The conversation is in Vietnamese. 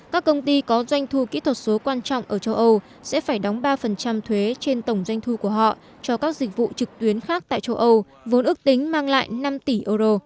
các công ty có doanh thu kỹ thuật số quan trọng ở châu âu sẽ phải đóng ba thuế trên tổng doanh thu của họ cho các dịch vụ trực tuyến khác tại châu âu vốn ước tính mang lại năm tỷ euro